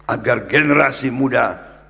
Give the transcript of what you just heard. agar generasi muda